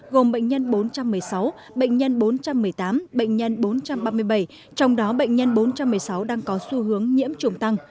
gồm bệnh nhân bốn trăm một mươi sáu bệnh nhân bốn trăm một mươi tám bệnh nhân bốn trăm ba mươi bảy trong đó bệnh nhân bốn trăm một mươi sáu đang có xu hướng nhiễm chủng tăng